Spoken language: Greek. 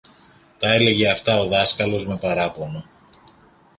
Τα έλεγε αυτά ο δάσκαλος με παράπονο